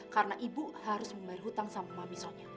karena ibu harus membayar hutang sama mami sonya